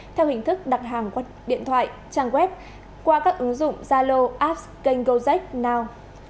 theo hình thức đặt hàng qua điện thoại trang web qua các ứng dụng zalo apps kênh gojek now